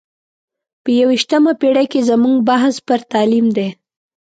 په یو ویشتمه پېړۍ کې زموږ بحث پر تعلیم دی.